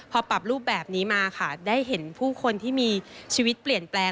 พอปรับรูปแบบนี้มาค่ะได้เห็นผู้คนที่มีชีวิตเปลี่ยนแปลง